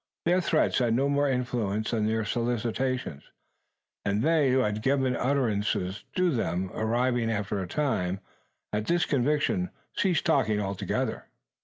Their threats had no more influence than their solicitations; and they who had given utterance to them arriving after a time, at this conviction, ceased talking altogether.